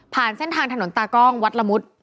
เส้นทางถนนตากล้องวัดละมุด